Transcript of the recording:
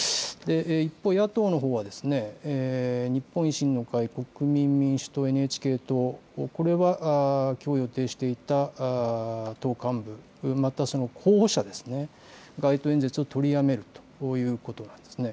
一方、野党のほうは、日本維新の会、国民民主党、ＮＨＫ党、これはきょう予定していた党幹部、またその候補者ですね、街頭演説を取りやめるということなんですね。